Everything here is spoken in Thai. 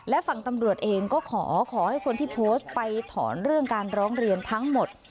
และฝั่งตำรวจเองก็ขอขอให้คนที่โพสต์ไปถอนเรื่องการร้องเรียนทั้งหมด